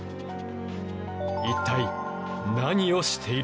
一体何をしているのか？